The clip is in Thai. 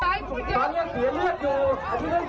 ตอนเนี้ยเสียเลือด